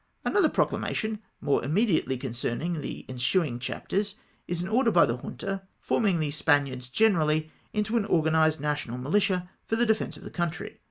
Another proclamation, more immediately concerning the ensuing chapters, is an order of the Junta, forming the Spaniards generally into an organised national mihtia for the defence of the country.